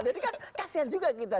jadi kan kasian juga gitu